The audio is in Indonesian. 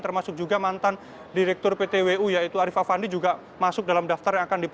termasuk juga mantan direktur ptwu yaitu ariefa fandi juga masuk dalam daftar yang akan diperiksa